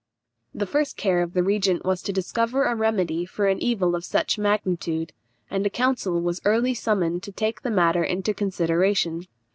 The first care of the regent was to discover a remedy for an evil of such magnitude, and a council was early summoned to take the matter into consideration.